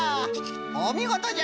おみごとじゃ！